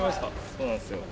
そうなんですよ。